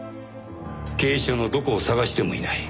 警視庁のどこを探してもいない。